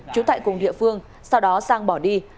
trú tại cùng địa phương sau đó sang bỏ đi